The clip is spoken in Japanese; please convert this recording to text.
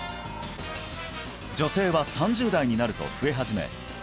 女性は３０代になると増え始め